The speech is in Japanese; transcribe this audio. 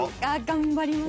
頑張ります。